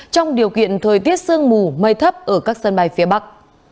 trong điều kiện thời tiết sương mù mây thấp ở các sân bay phía bắc